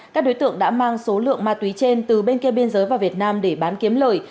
các đối tượng đã mang số lượng ma túy trên từ bên kia biên giới vào việt nam để bán kiếm lời